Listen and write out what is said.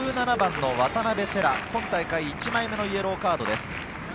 １７番の渡邊星来、今大会１枚目のイエローカードです。